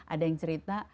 ada yang cerita